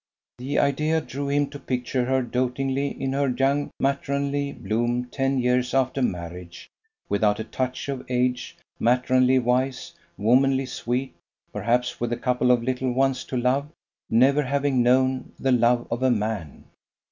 The idea drew him to picture her doatingly in her young matronly bloom ten years after marriage: without a touch of age, matronly wise, womanly sweet: perhaps with a couple of little ones to love, never having known the love of a man.